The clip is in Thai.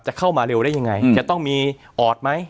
เข้ามาเร็วได้ยังไงจะต้องมีออดไหม